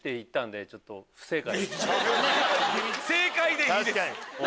正解でいいです！